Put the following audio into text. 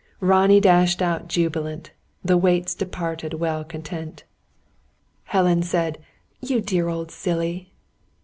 Ronnie dashed out jubilant. The Waits departed well content. Helen said: "You dear old silly!"